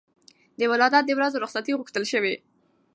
د ولادت د ورځو رخصتي غوښتل شوې.